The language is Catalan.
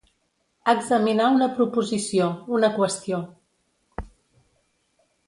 Examinar una proposició, una qüestió.